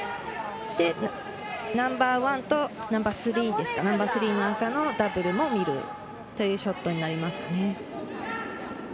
そしてナンバーワンとナンバースリーの赤のダブルも見るというショットになりますかね。